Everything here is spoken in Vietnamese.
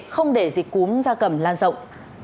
không để dịch cúm gia cầm lan rộng